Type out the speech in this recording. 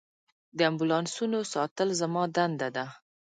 د امبولانسونو ساتل زما دنده ده.